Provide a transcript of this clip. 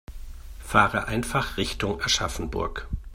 Fahre einfach Richtung Aschaffenburg